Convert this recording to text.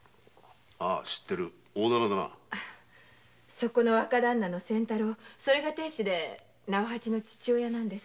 そこの若旦那の仙太郎が亭主で直八の父親なんです。